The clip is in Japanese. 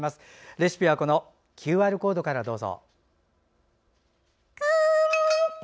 レシピはＱＲコードからどうぞ。